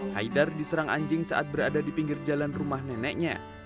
haidar diserang anjing saat berada di pinggir jalan rumah neneknya